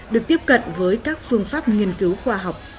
được tiếp cận với các phương pháp nghiên cứu khoa học